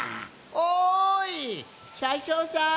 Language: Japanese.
おいしゃしょうさん！